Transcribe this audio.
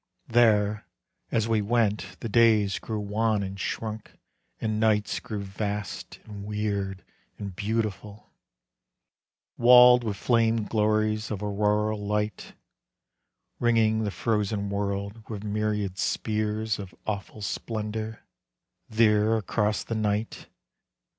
There, as we went, the days grew wan and shrunk, And nights grew vast and weird and beautiful, Walled with flame glories of auroral light, Ringing the frozen world with myriad spears Of awful splendor there across the night.